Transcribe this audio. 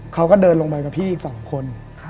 เขาก็เดินลงไปกับพี่อีก๒คน